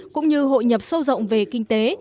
cũng như hội nhập sâu rộng về kinh tế